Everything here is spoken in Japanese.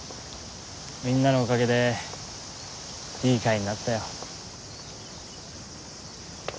みんなのおかげでいい会になったよ。